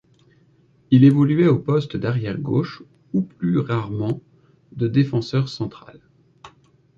Il évoluait au poste d'arrière gauche ou plus rarement, de défenseur central.